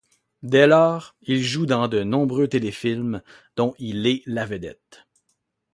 Dès lors, il joue dans de nombreux téléfilms dont il est la vedette.